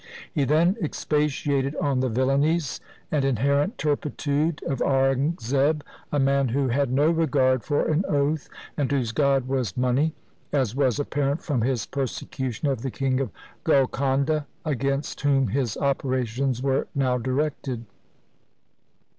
He then expatiated on the villanies and inherent turpitude of Aurangzeb — a man who LIFE OF GURU GOBIND SINGH 181 had no regard for an oath, and whose god was money, as was apparent from his persecution of the King of Golkanda, against whom his operations were now directed.